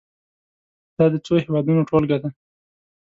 دا د څو هېوادونو ټولګه ده.